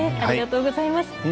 ありがとうございます。